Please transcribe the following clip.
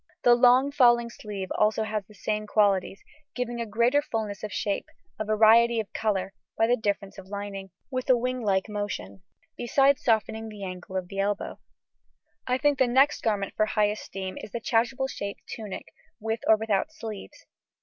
The long falling sleeve also has the same qualities, giving a greater fullness of shape, a variety of colour (by a difference of lining), with a winglike motion, besides softening the angle of the elbow. I think the next garment for high esteem is the chasuble shaped tunic (with or without sleeves).